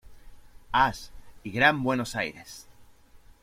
As y Gran Buenos Aires.